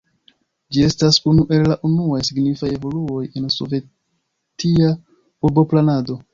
Ĝi estis unu el la unuaj signifaj evoluoj en sovetia urboplanado.